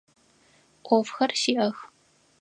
Ӏофхэр сиӏэх.